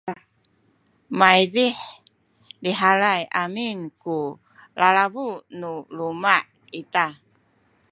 maydih lihalay amin ku lalabu nu luma’ ita